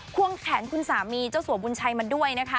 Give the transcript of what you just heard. ควงแขนคุณสามีเจ้าสัวบุญชัยมาด้วยนะคะ